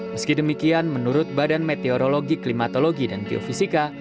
meski demikian menurut badan meteorologi klimatologi dan geofisika